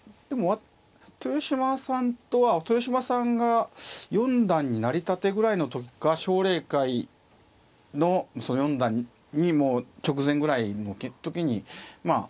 豊島さんとは豊島さんが四段になりたてぐらいの時か奨励会の四段にもう直前ぐらいの時にまあ